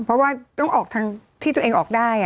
เพราะว่าต้องออกทางที่ตัวเองออกได้